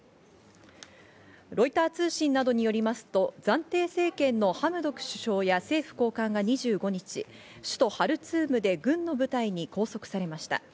ロイター通信などによりますと暫定政権のハムドク首相や政府高官が２５日、首都・ハルツームで軍の部隊に拘束されました。